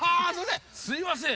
すいません！